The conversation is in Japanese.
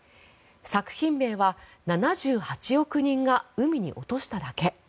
作品名は「７８億人が“海に落としただけ”」。